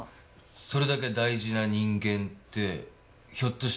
それだけ大事な人間ってひょっとして家族？